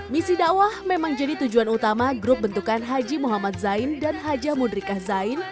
misi dakwah memang jadi tujuan utama grup bentukan haji muhammad zain dan haja mudrika zain